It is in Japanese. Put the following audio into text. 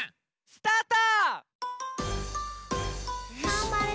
スタート！